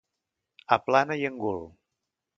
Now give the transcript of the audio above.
Aplana i engul.